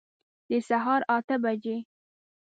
د سهار اته بجي